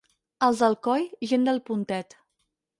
Els d'Alcoi, gent del puntet.